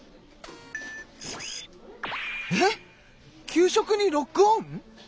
給食にロックオン？